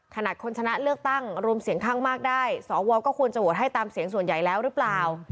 ขนาดคนชนะเลือกตั้งรวมเสียงข้างมากได้สวก็ควรจะโหวตให้ตามเสียงส่วนใหญ่แล้วหรือเปล่า